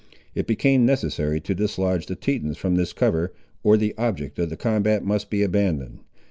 It became necessary to dislodge the Tetons from this cover, or the object of the combat must be abandoned.